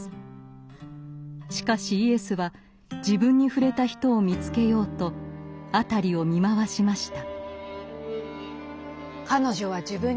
しかしイエスは自分に触れた人を見つけようと辺りを見回しました。